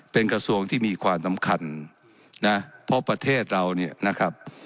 เป็นกระทรวงที่มีความสำคัญนะเพราะประเทศเราเนี่ยนะครับ